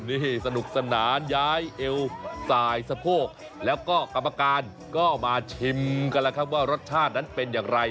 นี่สนุกสนานย้ายเอวสายสะโพกแล้วก็กรรมการก็มาชิมกันแล้วครับว่ารสชาตินั้นเป็นอย่างไร